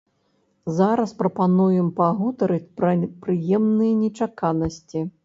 Зараз прапануем пагутарыць пра прыемныя нечаканасці!